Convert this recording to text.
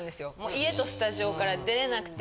家とスタジオから出れなくて。